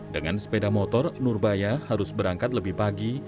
dengan sepeda motor nurbaya harus berangkat lebih pagi